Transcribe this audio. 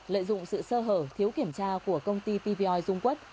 lợi dụng sự sơ hở thiếu kiểm tra của công ty pvoi dung quất